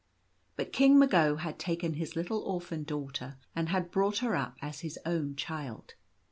But King Mago had taken his little orphan daughter and had her brought up as his own child.